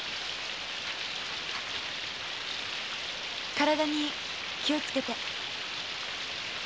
体に気をつけて。